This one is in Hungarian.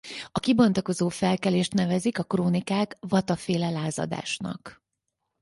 A kibontakozó felkelést nevezik a krónikák Vata-féle lázadásnak.